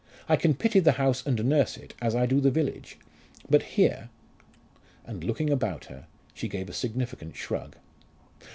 I can pity the house and nurse it, as I do the village. But here " And looking about her, she gave a significant shrug.